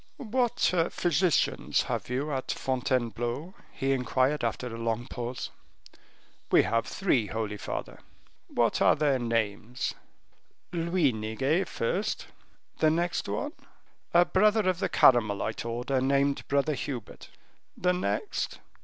"What physicians have you at Fontainebleau?" he inquired, after a long pause. "We have three, holy father." "What are their names?" "Luiniguet first." "The next one?" "A brother of the Carmelite order, named Brother Hubert." "The next?"